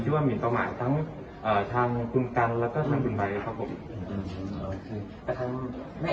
ที่ว่ามีต้องหมายทางคุณกันและคุณไบ